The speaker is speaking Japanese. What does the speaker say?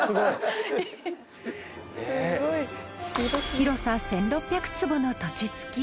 広さ１６００坪の土地付き。